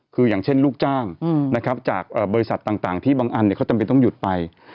คืออย่างเช่นลูกจ้างนะครับจากบริษัทต่างที่บางอันเขาจำเป็นต้องหยุดไป